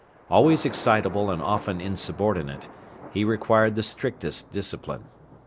Always excitable and often insubordinate, he required the strictest discipline.